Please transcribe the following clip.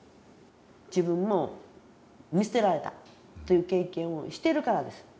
自分も見捨てられたという経験をしてるからです。